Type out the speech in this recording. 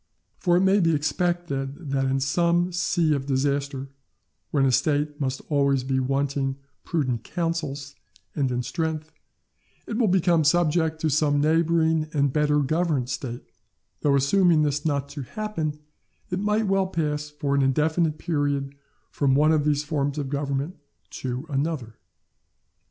For it may be expected that in some sea of disaster, when a State must always be wanting prudent counsels and in strength, it will become subject to some neighbouring and better governed State; though assuming this not to happen, it might well pass for an indefinite period from one of these forms of government to another.